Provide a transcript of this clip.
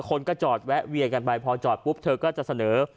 คนก็จอดแวะเวียนกันไปพอจอดปุ๊บเธอก็จะเสนอ